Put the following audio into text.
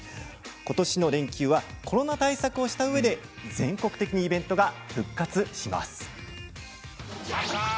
ことしの連休はコロナ対策をしたうえで全国的にイベントが復活します。